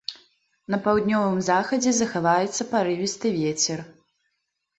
На паўднёвым захадзе захаваецца парывісты вецер.